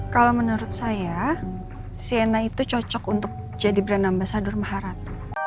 kalau menurut saya sienna itu cocok untuk jadi brand ambasadur maharat